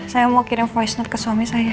saya mau kirim voice note ke suami saya